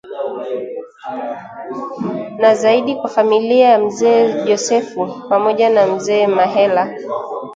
na zaidi kwa familia ya Mzee Josefu pamoja na mzee Mahela